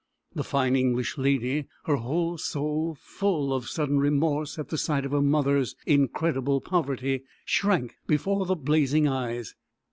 The fine English lady her whole soul full of sudden remorse at the sight of her mother's incredible poverty, shrank before the blazing eyes.